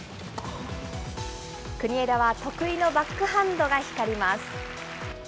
国枝は得意のバックハンドが光ります。